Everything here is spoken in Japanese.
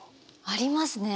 ありますね。